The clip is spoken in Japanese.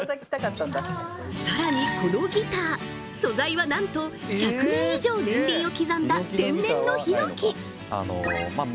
さらにこのギター素材はなんと１００年以上年輪を刻んだ天然のヒノキまあ